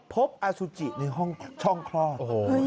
พบอสุจิในห้องช่องคลอด